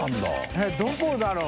えっどこだろう？